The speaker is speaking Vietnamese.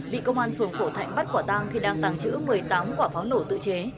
bị công an phường phổ thạnh bắt quả tang khi đang tàng trữ một mươi tám quả pháo nổ tự chế